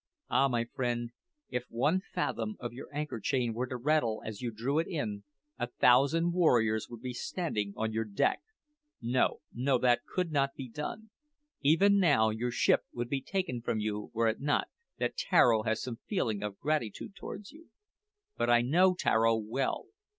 "Ah, my friend, if one fathom of your anchor chain were to rattle as you drew it in, a thousand warriors would be standing on your deck! No, no; that could not be done. Even now your ship would be taken from you were it not that Tararo has some feeling of gratitude towards you. But I know Tararo well.